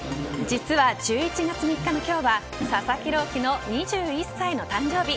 実は、１１月３日の今日は佐々木朗希の２１歳の誕生日。